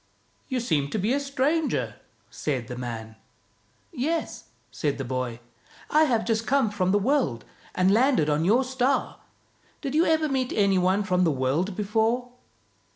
"You seem to be a stranger," said the man. " Yes," said the boy, " I have just come from the world, and landed on your star. Did you ever meet any one from the world before?